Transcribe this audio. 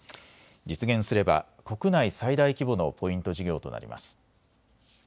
実現すれば国内最大規模のポイント事業となります。